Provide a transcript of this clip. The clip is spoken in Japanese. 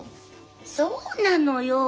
そうなのよ。